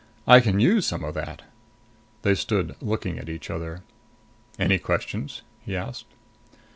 "I can use some of that." They stood looking at each other. "Any questions?" he asked.